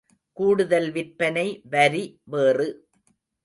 கூடுதல் விற்பனை வரி வேறு.